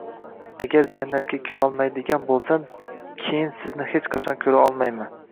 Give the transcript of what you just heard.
Agar jannatga kirolmaydigan bo‘lsam, keyin sizni hech qachon ko‘ra olmayman